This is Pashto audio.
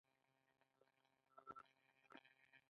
د پښتنو په کلتور کې د محرم میاشت د احترام وړ ده.